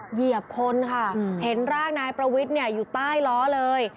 เหยียบคนค่ะเห็นร่างนายประวิทย์อยู่ใต้ล้อเลย